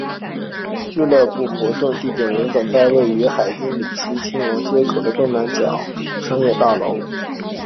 俱乐部的活动地点原本在位于海因里希亲王街路口东南角的博德维希商业大楼。